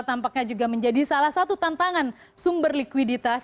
tampaknya juga menjadi salah satu tantangan sumber likuiditas